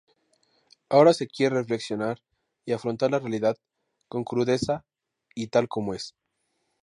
Ahora se quiere reflexionar y afrontar la realidad con crudeza y tal como es.